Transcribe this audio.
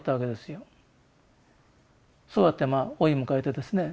そうやってまあ老いを迎えてですね